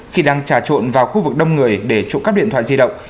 khi đang trà trộn vào khu vực đông người để trộm cắp điện thoại di động